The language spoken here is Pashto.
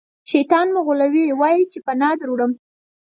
شیطان مو غولوي ووایئ چې پناه دروړم.